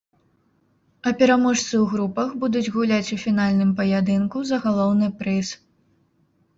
А пераможцы ў групах будуць гуляць у фінальным паядынку за галоўны прыз.